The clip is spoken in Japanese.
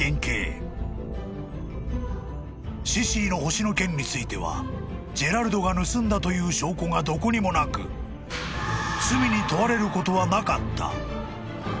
［シシィの星の件についてはジェラルドが盗んだという証拠がどこにもなく罪に問われることはなかった］